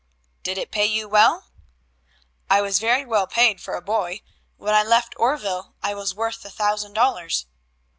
"Did it pay you well?" "I was very well paid for a boy. When I left Oreville I was worth a thousand dollars."